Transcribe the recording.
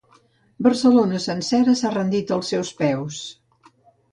Barcelona sencera s'ha rendit als seus peus.